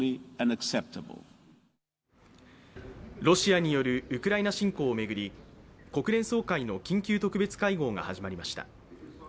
ロシアによるウクライナ侵攻を巡り国連総会の緊急特別会合が始まりました。